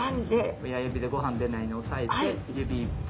親指でごはん出ないように押さえて指１本。